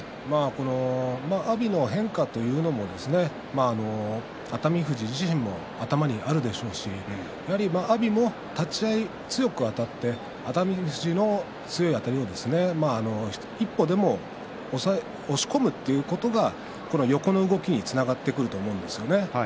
阿炎の変化というのも熱海富士自身も頭にあるでしょうし阿炎も立ち合い強くあたって熱海富士の強いあたりを一歩でも押し込むということが横の動きにつながってくると思うんですね。